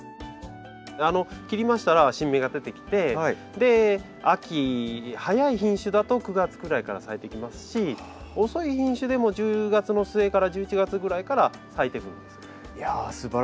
切りましたら新芽が出てきて秋早い品種だと９月ぐらいから咲いてきますし遅い品種でも１０月の末から１１月ぐらいから咲いてくるんです。